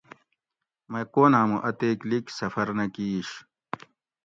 مئ کون ھامو اتیک لیگ سفر نہ کیش